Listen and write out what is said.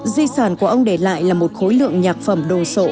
di sản của ông để lại là một khối lượng nhạc phẩm đồ sộ